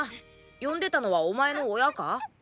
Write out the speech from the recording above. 呼んでたのはお前の親か？